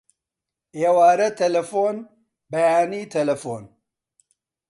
ئێوارە تەلەفۆن، بەیانی تەلەفۆن